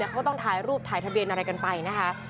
เขาก็ต้องถ่ายรูปถ่ายทะเบียนอะไรกันไปนะคะ